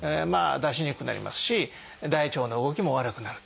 出しにくくなりますし大腸の動きも悪くなると。